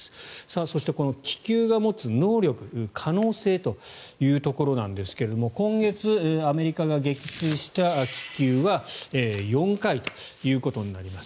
そして、この気球が持つ能力、可能性というところなんですが今月、アメリカが撃墜した気球は４回ということになります。